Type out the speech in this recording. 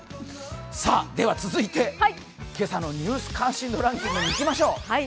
続いて今朝の「ニュース関心度ランキング」にいきましょう。